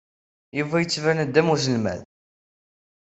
Yuba yettban-d am uselmad.